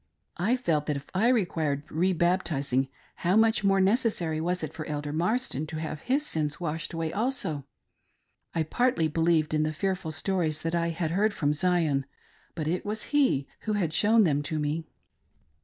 I felt that if I required re baptizing, how much more necessary was it for Elder Marsden to have his sins washed away also. I partly believed in the fearful stories that I had heard from Zion, but it was he who had shown them to me.